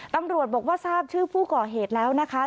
ตำรวจบอกว่าทราบชื่อผู้ก่อเหตุแล้วนะคะ